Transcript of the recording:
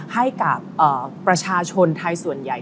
ให้กับประชาชนไทยส่วนใหญ่